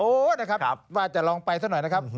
นะครับว่าจะลองไปซะหน่อยนะครับ